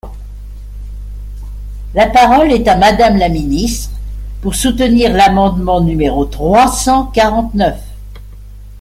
La parole est à Madame la ministre, pour soutenir l’amendement numéro trois cent quarante-neuf.